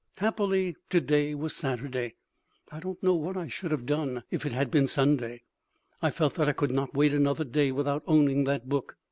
Happily to day was Saturday. I don't know what I should have done if it had been Sunday. I felt that I could not wait another day without owning that book.